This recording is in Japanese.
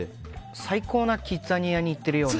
最高なキッザニアに行っているような。